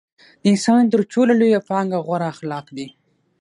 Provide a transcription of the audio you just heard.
د انسان تر ټولو لويه پانګه غوره اخلاق دي.